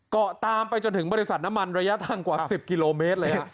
เกาะตามไปจนถึงบริษัทน้ำมันระยะทางกว่า๑๐กิโลเมตรเลย